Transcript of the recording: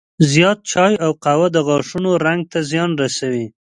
زیات چای او قهوه د غاښونو رنګ ته زیان رسوي.